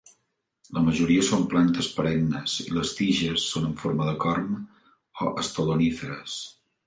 La majoria són plantes perennes i les tiges són en forma de corm o estoloníferes.